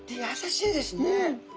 やさしいですね。